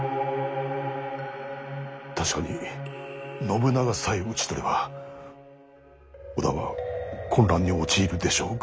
確かに信長さえ討ち取れば織田は混乱に陥るでしょうが。